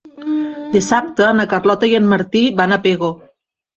Dissabte na Carlota i en Martí van a Pego.